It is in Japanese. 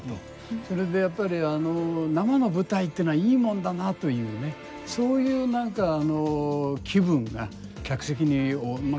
それでやっぱり生の舞台っていうのはいいもんだなというねそういう何か気分が客席に充満してる感じがしますですね。